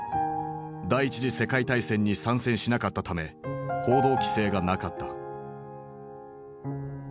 第一次世界大戦に参戦しなかったため報道規制がなかった。